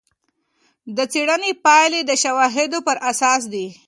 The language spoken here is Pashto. د څېړنې پایلې د شواهدو پر اساس دي.